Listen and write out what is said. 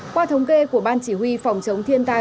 qua thống kê của ban chỉ huy phòng chống thiên tai